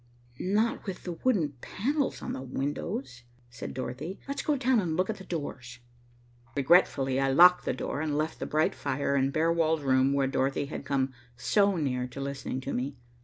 "Not with the wooden panels on the windows," said Dorothy. "Let's go down and look at the doors." Regretfully I locked the door and left the bright fire and bare walled room where Dorothy had come so near to listening to me.